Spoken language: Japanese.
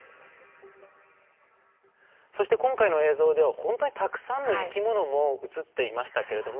そして今回の映像ではほんとにたくさんの生き物も映っていましたけれども。